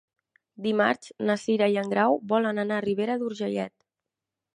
Dimarts na Cira i en Grau volen anar a Ribera d'Urgellet.